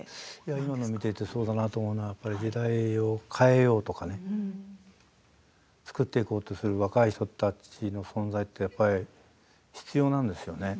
今の見ていてすごいなと思うのは時代を変えようとか作っていこうとする若い人たちの存在は必要なんですよね。